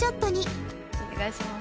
お願いします。